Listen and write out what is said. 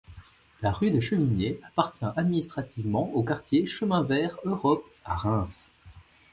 La rue de Chevigné appartient administrativement au Quartier Chemin Vert - Europe à Reims.